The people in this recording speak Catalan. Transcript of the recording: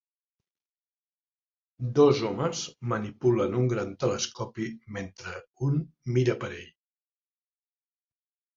Dos homes manipulen un gran telescopi mentre un mira per ell.